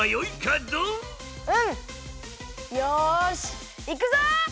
うん！よしいくぞ！